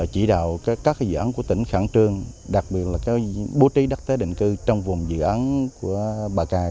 chỉ đạo các cái dự án của tỉnh khẳng trương đặc biệt là cái bố trí đắc tế định cư trong vùng dự án của bà cài